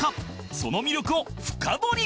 その魅力を深掘り